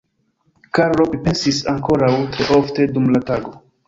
Karlo pripensis ankoraŭ tre ofte dum la tago.